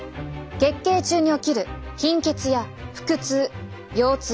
月経中に起きる貧血や腹痛腰痛。